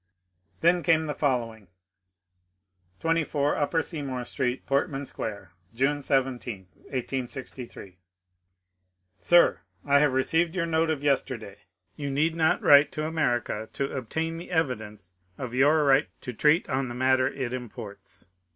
Then came the following :— 24 Upper Seymour Street, Portmak Square, June 17, 1863. Sib, — I have received your note of yesterday. You need not write to America, to " obtain the evidence " of your right to treat on the matter it imports.